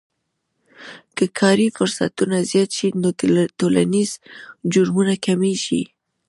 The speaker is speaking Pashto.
که کاري فرصتونه زیات شي نو ټولنیز جرمونه کمیږي.